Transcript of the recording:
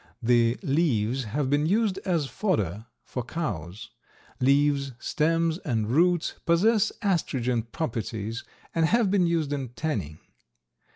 The leaves have been used as fodder for cows. Leaves, stems and roots possess astringent properties and have been used in tanning.